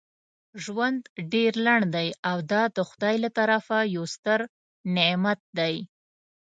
ژوند ډیر لنډ دی او دا دخدای له طرفه یو ستر نعمت دی.